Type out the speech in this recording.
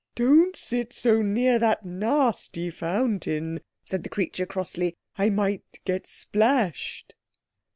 "Don't sit so near that nasty fountain," said the creature crossly; "I might get splashed."